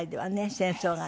戦争がね。